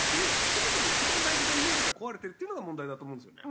そもそも一番大事なイメージが壊れてるっていうのが問題だと思うんですよね。